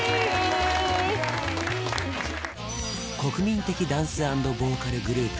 国民的ダンス＆ボーカルグループ